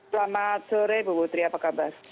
selamat sore bu putri apa kabar